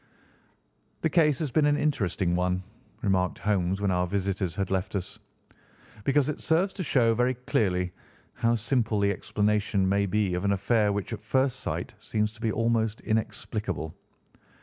"The case has been an interesting one," remarked Holmes when our visitors had left us, "because it serves to show very clearly how simple the explanation may be of an affair which at first sight seems to be almost inexplicable.